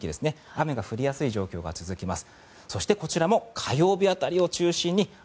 雨が降りやすい状況が続きます。